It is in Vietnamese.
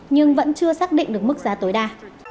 nhưng vẫn chưa xác định được mức giá tối đa